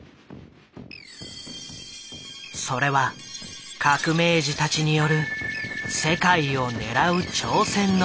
それは革命児たちによる世界を狙う挑戦の始まりだった。